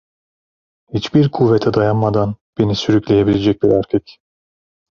Hiçbir kuvvete dayanmadan beni sürükleyebilecek bir erkek.